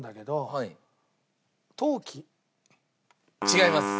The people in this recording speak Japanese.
違います。